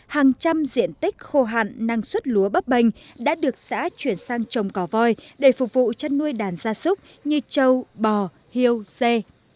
hàng trăm diện tích khô hạn năng suất lúa bắp bềnh đã được xã chuyển sang trồng cò voi để phục vụ chăn nuôi đàn gia súc như trâu bò hiêu dê